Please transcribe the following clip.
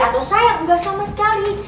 atau sayang nggak sama sekali